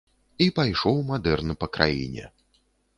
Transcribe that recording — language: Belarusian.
І пайшоў мадэрн па краіне.